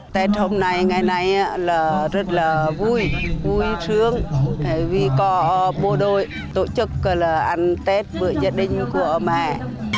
tết hôm nay ngày nay là rất là vui vui sướng vì có bố đôi tổ chức là ăn tết với gia đình của mẹ